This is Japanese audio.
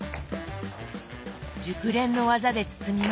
熟練の技で包みます。